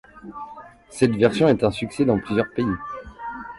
Cette version est un succès dans plusieurs pays.